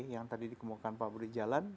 yang tadi dikemukakan pak budi jalan